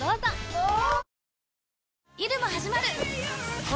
おぉ。